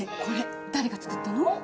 これ誰が作ったの？